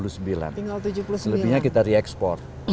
selebihnya kita re export